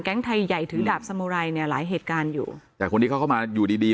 ไทยใหญ่ถือดาบสมุไรเนี่ยหลายเหตุการณ์อยู่แต่คนที่เขาเข้ามาอยู่ดีดี